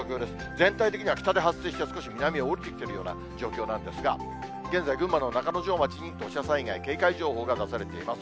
全体的には北で発生して少し南に下りてきているような状況なんですが、現在、群馬の中之条町に土砂災害警戒情報が出されています。